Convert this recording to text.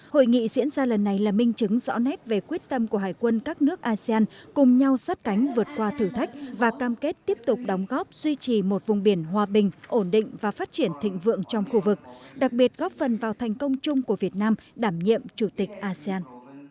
hội nghị diễn ra lần này là minh chứng rõ nét về quyết tâm của hải quân các nước asean cùng nhau sát cánh vượt qua thử thách và cam kết tiếp tục đóng góp duy trì một vùng biển hòa bình ổn định và phát triển thịnh vượng trong khu vực đặc biệt góp phần vào thành công chung của việt nam đảm nhiệm chủ tịch asean